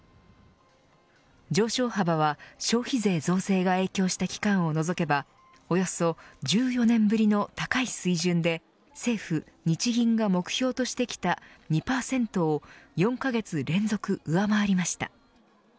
上昇幅は、消費税増税が影響した期間を除けばおよそ１４年ぶりの高い水準で政府、日銀が目標としてきた２％を４カ月連続上回りました。